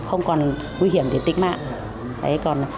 không còn nguy hiểm về tính mạng